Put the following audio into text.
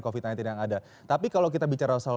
covid sembilan belas yang ada tapi kalau kita bicara soal